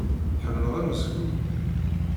Tḥemmleḍ amezgun?